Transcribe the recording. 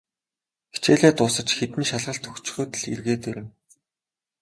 Хичээлээ дуусаж, хэдэн шалгалт өгчхөөд л эргээд ирнэ.